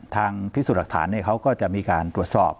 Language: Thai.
พิสูจน์หลักฐานเขาก็จะมีการตรวจสอบ